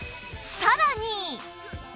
さらに